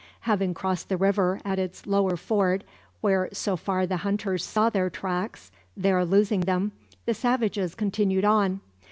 Having crossed the river at its lower ford, where so far the hunters saw their tracks, there losing them, the savages continued on.